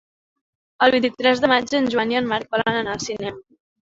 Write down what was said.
El vint-i-tres de maig en Joan i en Marc volen anar al cinema.